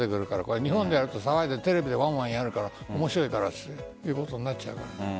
日本で騒いでテレビでワンワンやるから面白いからということになっちゃう。